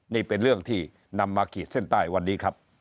นี่เป็นเรื่องที่นำมาขีดเส้นใต้วันนี้ครับ